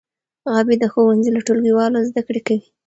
غابي د ښوونځي له ټولګیوالو زده کړې کوي.